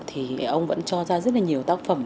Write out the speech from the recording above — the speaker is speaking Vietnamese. thì ông vẫn cho ra rất là nhiều tác phẩm